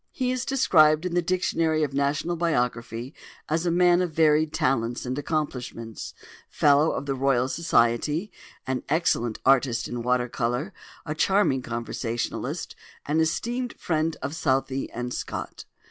He is described in the "Dictionary of National Biography" as "a man of varied talents and accomplishments, Fellow of the Royal Society, an excellent artist in water colour, a charming conversationalist, an esteemed friend of Southey and Scott."